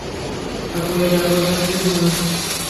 আপনি যা করছেন তা ঠিক নয়।